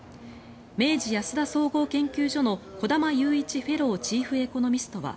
明治安田総合研究所の小玉祐一フェローチーフエコノミストは